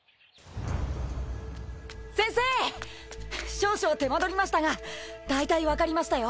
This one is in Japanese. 少々手間取りましたがだいたい分かりましたよ。